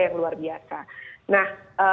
yang luar biasa nah